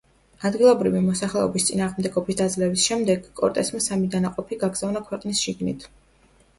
ადგილობრივი მოსახლეობის წინააღმდეგობის დაძლევის შემდეგ, კორტესმა სამი დანაყოფი გაგზავნა ქვეყნის შიგნით.